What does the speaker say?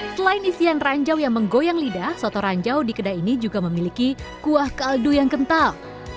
selain isian ranjau yang menggoyang lidah soto ranjau di kedai ini juga memiliki kuah kaldu yang kental